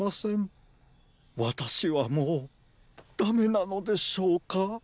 わたしはもうダメなのでしょうか？